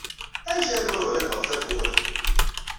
Amek armi ur ɣliqeɣ tawwurt?